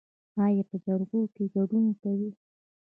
ایا په جرګو کې ګډون کوئ؟